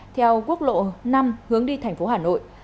theo quốc lộ năm hướng đi thành phố hà nội